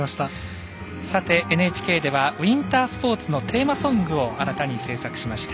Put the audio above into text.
ＮＨＫではウィンタースポーツのテーマソングを新たに制作しました。